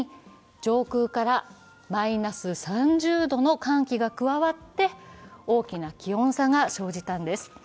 上空からマイナス３０度の寒気が加わって大きな気温差が生じたのです。